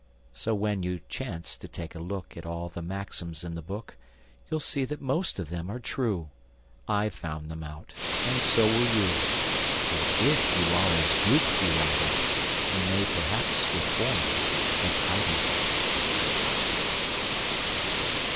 So when you chance to take a look At all the maxims in the book, You'll see that most of them are true, I found them out, and so will you, For if you are as GOOP derided, You may perhaps reform, as I did!